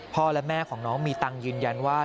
และแม่ของน้องมีตังค์ยืนยันว่า